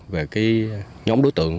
về cái nhóm đối tượng